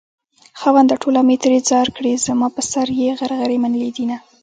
خاونده ټوله مې ترې ځار کړې زما په سر يې غرغرې منلي دينه